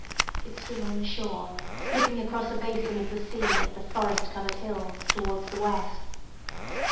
It stood on the shore, looking across a basin of the sea at the forest covered hills, towards the west.